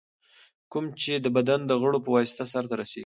کوم چي د بدن د غړو په واسطه سرته رسېږي.